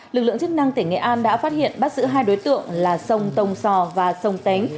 lực lượng chức năng tỉnh nghệ an đã phát hiện bắt giữ hai đối tượng là sông tông sò và sông tén